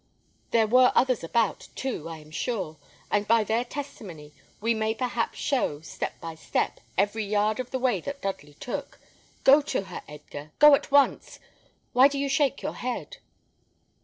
There were others about, too, I am sure, and by their testimony we may perhaps show, step by step, every yard of the way that Dudley took. Go to her, Edgar go to her at once. Why do you shake your head?"